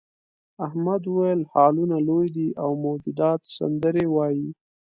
احمد وویل هالونه لوی دي او موجودات سندرې وايي.